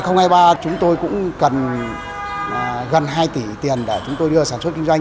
năm hai nghìn hai mươi ba chúng tôi cũng cần gần hai tỷ tiền để chúng tôi đưa sản xuất kinh doanh